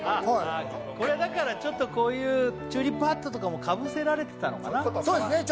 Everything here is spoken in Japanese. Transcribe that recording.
これだからちょっとこういうチューリップハットとかもかぶせられてたのかなそうですね